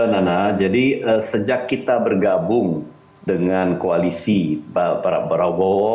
nana jadi sejak kita bergabung dengan koalisi prabowo